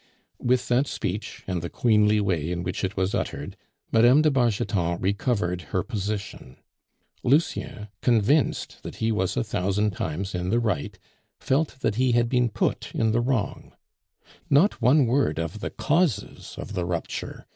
With that speech, and the queenly way in which it was uttered, Mme. de Bargeton recovered her position. Lucien, convinced that he was a thousand times in the right, felt that he had been put in the wrong. Not one word of the causes of the rupture!